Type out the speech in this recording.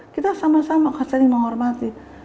kita sama sama saling menghormati